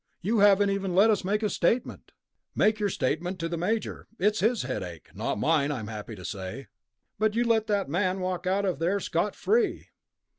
You haven't even let us make a statement." "Make your statement to the Major. It's his headache, not mine, I'm happy to say." "But you let that man walk out of there scot free...."